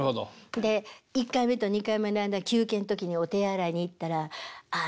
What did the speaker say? で１回目と２回目の間休憩の時にお手洗いに行ったらああ